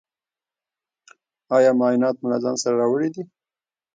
ایا معاینات مو له ځان سره راوړي دي؟